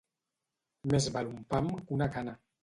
Més val un pam que una cana.